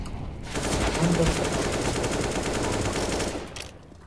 — Qandoq bolarkin? — dedi ikkilanib.